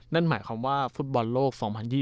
นั่นหมายความว่าฟุตบอลโลก๒๐๒๐